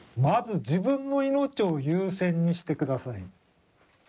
まず自分の命を優先にして下さい。